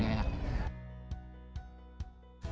ya mudah mudahan ya